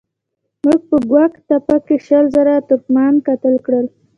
موږ په ګوک تېپه کې شل زره ترکمنان قتل کړل.